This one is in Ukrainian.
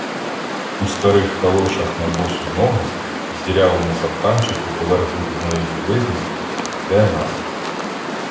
У старих калошах на босу ногу, в дірявому каптанчику поверх брудної білизни — йде на.